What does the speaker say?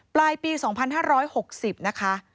ปลายปี๒๕๖๐นะคะ